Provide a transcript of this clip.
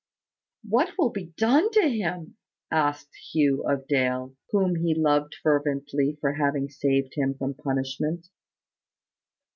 "What will be done to him?" asked Hugh of Dale, whom he loved fervently for having saved him from punishment.